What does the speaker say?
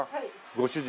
ご主人。